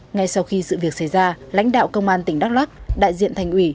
ngay sau khi sự việc xảy ra lãnh đạo công an tỉnh đắk lắc đại diện thành ủy